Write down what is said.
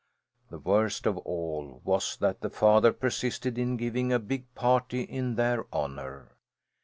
The worst of all was that the father persisted in giving a big party in their honour.